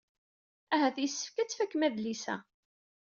Ahat yessefk ad tfakem adlis-a.